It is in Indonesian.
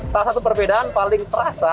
salah satu perbedaan paling terasa